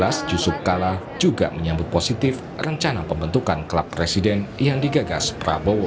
yusuf kala juga menyambut positif rencana pembentukan klub presiden yang digagas prabowo